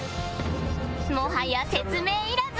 もはや説明いらず